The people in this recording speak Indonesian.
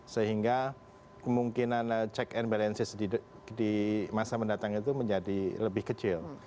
sehingga kemungkinan check and balances di masa mendatang itu menjadi lebih kecil